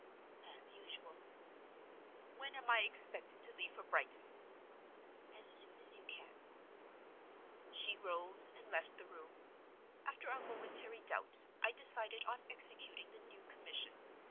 "As usual." "When am I expected to leave for Brighton?" "As soon as you can." She rose, and left the room. After a momentary doubt, I decided on executing the new commission.